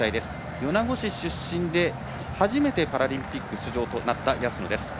米子市出身で初めてパラリンピック出場となった安野です。